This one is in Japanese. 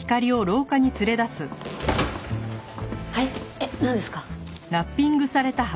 えっなんですか？